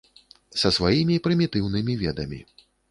Са сваімі прымітыўнымі ведамі.